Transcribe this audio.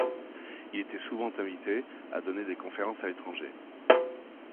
Il était souvent invité à donner des conférences à l'étranger.